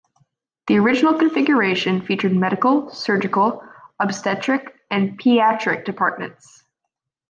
The original configuration featured medical, surgical, obstetric and paediatric departments.